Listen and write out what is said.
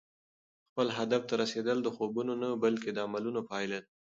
خپل هدف ته رسېدل د خوبونو نه، بلکې د عملونو پایله ده.